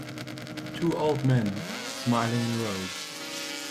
Two old men smiling in robes.